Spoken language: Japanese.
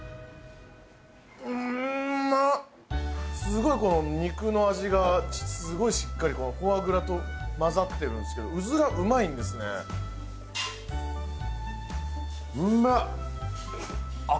すごい肉の味がすごいしっかりフォアグラと混ざってるんですけどうずらうまいんですねうまっ！